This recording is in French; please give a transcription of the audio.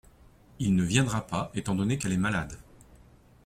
Il ne viendra pas étant donné qu’elle est malade.